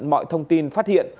mọi thông tin phát hiện